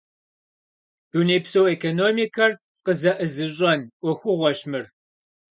Дунейпсо экономикэр къызэӀызыщӀэн Ӏуэхугъуэщ мыр.